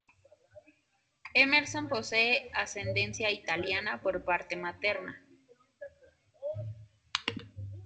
Emerson posee ascendencia italiana por parte materna.